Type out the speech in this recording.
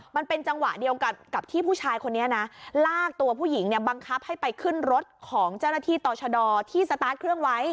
มันเป็นจังหวะเดียวกับที่ผู้ชายคนนี้นะลากตัวผู้หญิงเนี่ยบังคับให้ไปขึ้นรถของเจ้าหน้าที่ต่อชะดอที่สตาร์ทเครื่องไว้